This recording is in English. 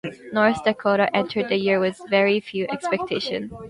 North Dakota entered the year with very few expectations.